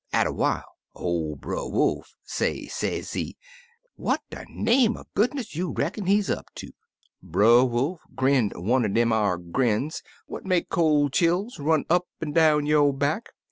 Atter while, ol' Brer Wolf say, sezee, 'What de name er good ness you reckon he's up ter?' Brer Wolf grinned one dem ar grins what make col' chills run up an' down yo' back.